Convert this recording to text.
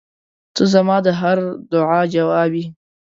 • ته زما د هر دعا جواب یې.